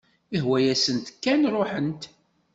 Ihwa-yasent kan ruḥent.